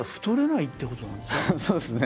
そうですね。